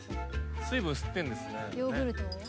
水分吸ってんですね。